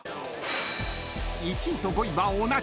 ［１位と５位は同じ］